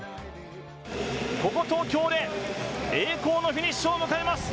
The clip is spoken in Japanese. ここ東京で、栄光のフィニッシュを迎えます。